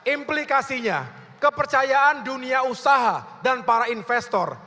implikasinya kepercayaan dunia usaha dan para investor